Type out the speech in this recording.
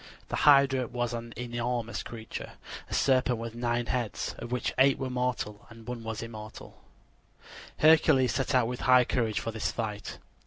The hydra was an enormous creature a serpent with nine heads, of which eight were mortal and one immortal. Hercules set out with high courage for this fight.